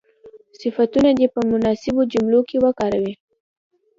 صفتونه دې په مناسبو جملو کې وکاروي.